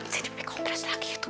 jadi bibi kompres lagi tuh